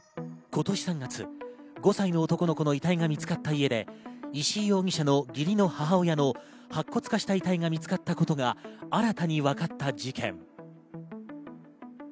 今年３月、５歳の男の子の遺体が見つかった家で石井容疑者の義理の母親の白骨化した遺体が見つかったことが新たに分かった事件。